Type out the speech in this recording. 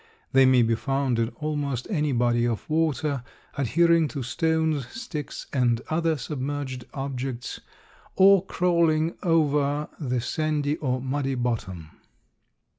They may be found in almost any body of water, adhering to stones, sticks, and other submerged objects, or crawling over the sandy or muddy bottom.